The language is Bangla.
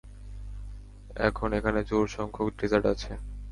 এখন এখানে জোড় সংখ্যক ডেজার্ট আছে!